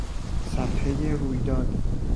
صفحهٔ رویداد